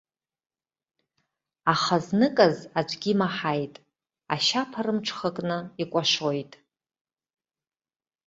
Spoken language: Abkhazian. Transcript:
Аха зныказ аӡәгьы имаҳаит, ашьаԥа рымҽхакны икәашоит.